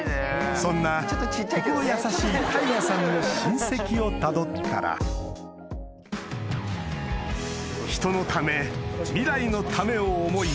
そんな心優しい大我さんの親戚をたどったら人のため未来のためを思い